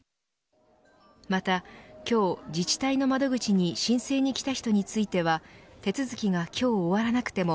また、今日自治体の窓口に申請に来た人については手続きが今日終わらなくても